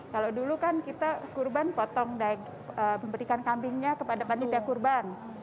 kalau dulu kan kita kurban potong memberikan kambingnya kepada panitia kurban